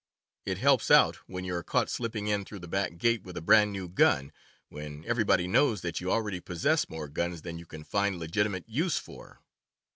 It helps out when you are caught slipping in through the back gate with a brand new gun, when everybody knows that you already possess more guns than you can find legitimate use for.